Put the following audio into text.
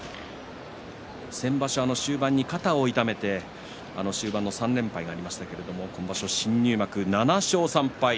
先場所は肩を痛めて終盤３連敗がありましたが今場所、新入幕７勝３敗。